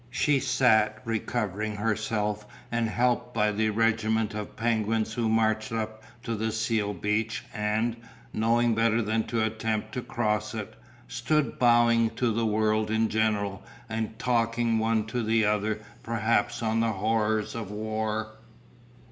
She sat recovering herself and helped by the regiment of penguins who marched up to the seal beach and, knowing better than to attempt to cross it, stood bowing to the world in general and talking one to the other perhaps on the horrors of war.